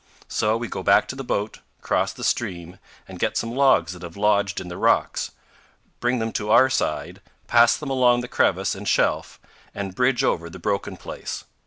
So we go back to the boat, cross the stream, and get some logs that have lodged in the rocks, bring them to our side, pass them along the crevice and shelf, and bridge over the broken place.